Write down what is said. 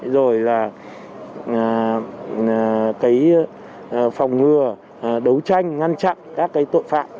rồi là cái phòng ngừa đấu tranh ngăn chặn các cái tội phạm